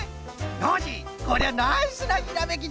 ノージーこりゃナイスなひらめきじゃぞ！